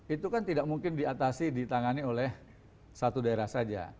itu kan tidak mungkin diatasi ditangani oleh satu daerah saja